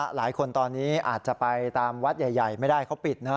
หลายคนตอนนี้อาจจะไปตามวัดใหญ่ไม่ได้เขาปิดนะ